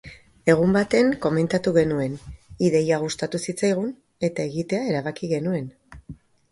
Egun baten komentatu genuen, ideia gustatu zitzaigun, eta egitea erabaki genuen.